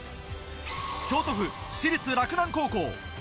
京都府私立洛南高校。